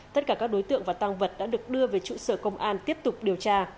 tất cả các đối tượng và tăng vật đã được đưa về trụ sở công an tiếp tục điều tra